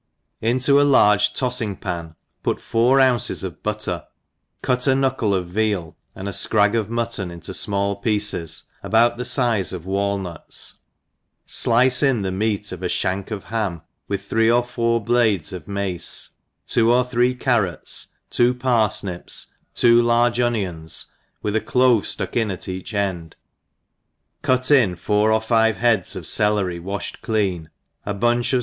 INTO a large toffing pan put four ounces of butter, cut a knuckle of veal, and a fcrag of mutton into fmall pieces, about the fize of walnuts; flice in the meat of a (hank of ham, with three or four blades of mace, two or three carrots, two parfnips, two large onions, with a clove (luck in at each end, cut in four or five heads of celery waihed clean, a bunch of.